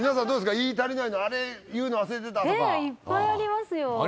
言い足りないのあれ言うの忘れてたとかいっぱいありますよ